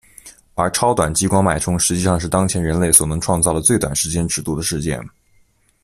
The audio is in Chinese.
而超短激光脉冲实际上是当前人类所能创造的最短时间尺度的事件。